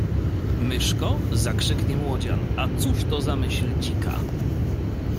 Myszko? - zakrzyknie młodzian A cóż to za myśl dzika